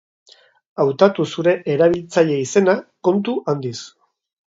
Hautatu zure erabiltzaile-izena kontu handiz.